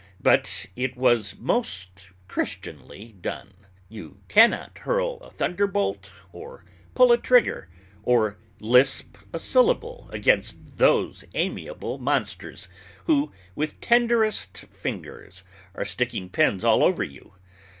But it was most Christianly done. You can not hurl a thunderbolt, or pull a trigger, or lisp a syllable against those amiable monsters who, with tenderest fingers, are sticking pins all over you.